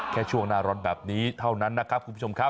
ช่วงหน้าร้อนแบบนี้เท่านั้นนะครับคุณผู้ชมครับ